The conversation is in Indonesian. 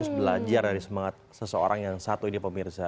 harus belajar dari semangat seseorang yang satu ini pemirsa